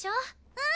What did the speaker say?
うん！